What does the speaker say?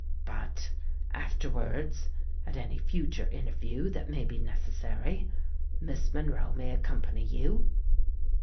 But, afterwards—at any future interview that may be necessary—Miss Monroe may accompany you."